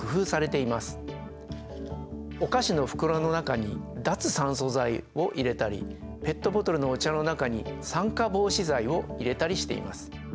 お菓子の袋の中に脱酸素剤を入れたりペットボトルのお茶の中に酸化防止剤を入れたりしています。